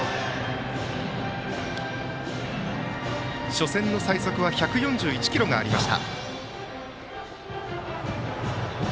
初戦の最速は１４１キロがあった森岡。